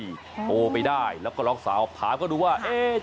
โทรไปได้แล้วก็ร้องสาวถามก็ดูว่า